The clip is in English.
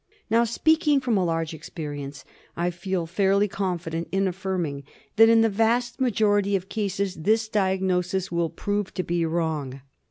Now, speaking from a large experience, I feel fairly confident in affirming that in the vast majority of cases this diagnosis will prove to be wrong.